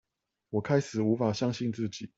我開始無法相信自己